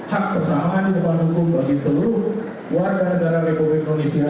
hak kesamaan di depan hukum bagi seluruh warga negara republik indonesia